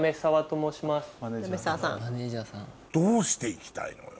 どうして行きたいのよ？